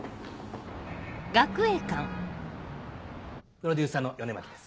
プロデューサーの米巻です。